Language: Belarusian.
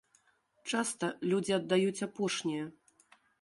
Часта людзі аддаюць апошняе.